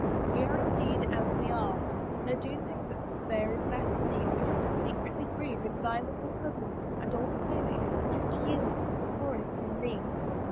We are indeed as we are, and I do think that there is that in thee which would secretly grieve if thy little cousin and old playfellow should yield to the poor est in thee."